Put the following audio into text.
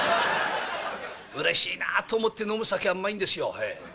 うれしいなあと思って飲む酒はうまいんですよ。